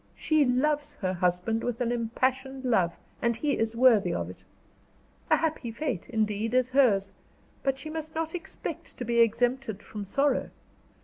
"She loves her husband with an impassioned love; and he is worthy of it. A happy fate, indeed, is hers; but she must not expect to be exempted from sorrow.